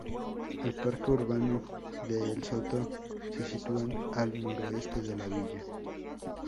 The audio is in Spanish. El Parque urbano de el Soto se sitúa al noreste de la villa.